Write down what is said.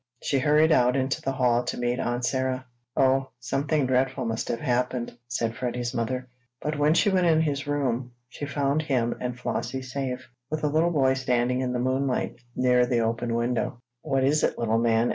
She hurried out into the hall, to meet Aunt Sarah. "Oh, something dreadful must have happened," said Freddie's mother. But when she went in his room, she found him and Flossie safe, with the little boy standing in the moonlight, near the open window. "What is it, little man?"